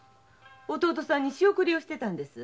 弟さんに仕送りをしてたんですよ。